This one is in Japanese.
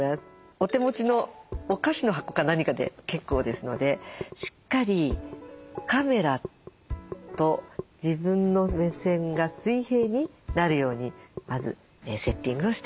お手持ちのお菓子の箱か何かで結構ですのでしっかりカメラと自分の目線が水平になるようにまずセッティングをしてください。